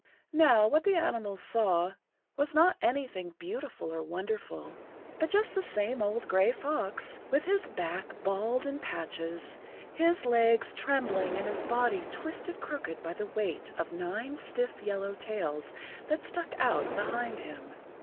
Now, what the animals saw was not anything beautiful or wonderful, but just the same old gray fox, with his back bald in patches, his legs trembling and his body twisted crooked by the weight of nine stiff yellow tails that stuck out behind him.